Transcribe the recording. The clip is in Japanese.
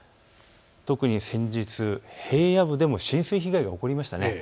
特に先日、平野部でも浸水被害が起こりましたね。